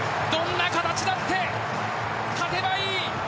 どんな形だって勝てばいい。